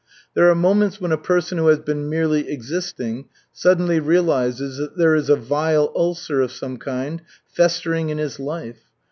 There are moments when a person who has been merely existing suddenly realizes that there is a vile ulcer of some kind festering in his life.